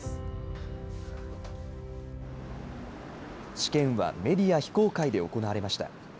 試験はメディア非公開で行われました。